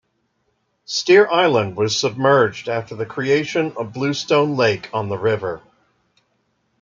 Steer Island was submerged after the creation of Bluestone Lake on the river.